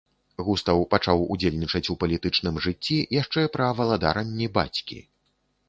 Густаў пачаў удзельнічаць у палітычным жыцці яшчэ пра валадаранні бацькі.